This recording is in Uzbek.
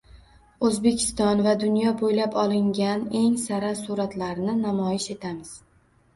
O‘zbekiston va dunyo bo‘ylab olingan sara suratlarni namoyish etamiz